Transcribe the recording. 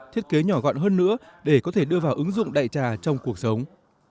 thiết kế nhỏ gọn hơn nữa để có thể đưa vào ứng dụng đại trà trong cuộc sống